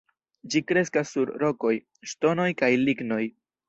Ĝi kreskas sur rokoj, ŝtonoj kaj lignoj.